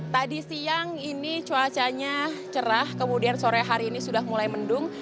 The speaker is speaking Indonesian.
tadi siang ini cuacanya cerah kemudian sore hari ini sudah mulai mendung